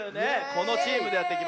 このチームでやっていきます。